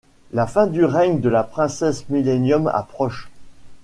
La fin du règne de la princesse Millenium approche.